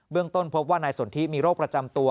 ต้นพบว่านายสนทิมีโรคประจำตัว